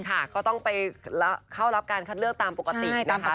ค่ะก็ต้องไปเข้ารับการคัดเลือกตามปกตินะคะ